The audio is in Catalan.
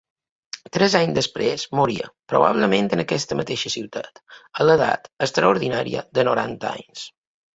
Tres anys després moria, probablement en aquesta mateixa ciutat, a l'edat extraordinària de noranta anys.